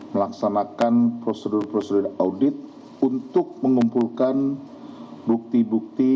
melaksanakan prosedur prosedur audit untuk mengumpulkan bukti bukti